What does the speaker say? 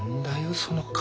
その顔。